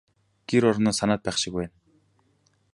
Гэр орноо санаад байх шиг байна.